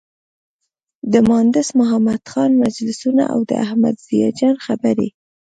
د مانډس محمد خان مجلسونه او د احمد ضیا جان خبرې.